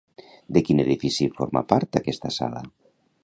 De quin edifici forma part aquesta sala?